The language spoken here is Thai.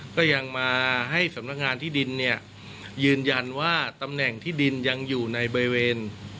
ก็ยังมาให้สำนักงานที่ดินเนี่ยยืนยันว่าตำแหน่งที่ดินยังอยู่ในบริเวณ